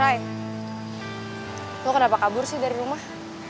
rai lo kenapa kabur sih dari rumah